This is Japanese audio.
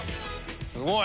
すごい！